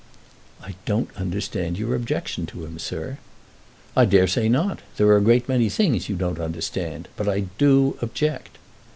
"I don't understand your objection to him, sir." "I dare say not. There are a great many things you don't understand. But I do object."